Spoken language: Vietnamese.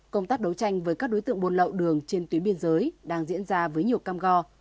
các đối tượng buôn lậu đường trên tuyến biên giới đang diễn ra với nhiều cam go